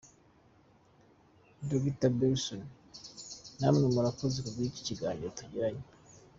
Dr Belson: Namwe murakoze ku bw’iki kiganiro tugiranye.